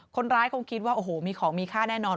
คนร้ายคงคิดว่าโอ้โหมีของมีค่าแน่นอน